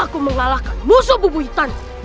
aku mengalahkan musuh bubu hitam